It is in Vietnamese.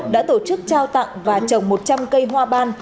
đã tổ chức trao tặng và trồng một trăm linh cây hoa ban